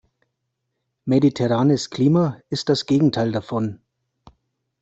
Mediterranes Klima ist das Gegenteil davon.